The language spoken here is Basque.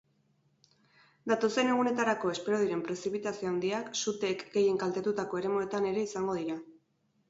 Datozen egunetarako espero diren prezipitazio handiak suteek gehien kaltetutako eremuetan ere izango dira.